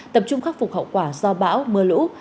tập trung khắc phục hậu quả do bão mưa lũ